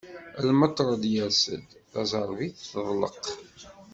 Lmetred yers-d, taẓerbit teḍleq.